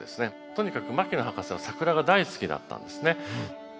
とにかく牧野博士はサクラが大好きだったんですね。